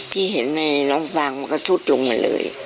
ที่เห็นในน้องฟังตมกระทุดลงมาเลย